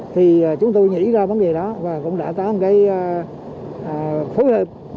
thì chúng tôi nghĩ ra vấn đề đó và cũng đã có một cái phối hợp